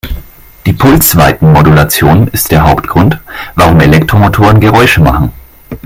Die Pulsweitenmodulation ist der Hauptgrund, warum Elektromotoren Geräusche machen.